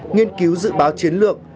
nghiên cứu dự báo chiến lược